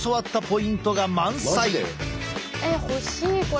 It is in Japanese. えっ欲しいこれ！